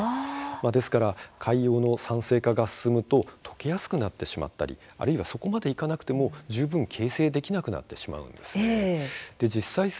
ですから海洋の酸性化が進むと溶けやすくなってしまったりそこまでいかなくても十分形成できなくなってしまうんです。